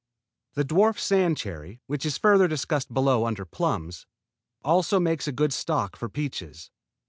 The dwarf sand cherry, which is further discussed below under plums, also makes a good stock for peaches.